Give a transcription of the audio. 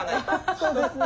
そうですね。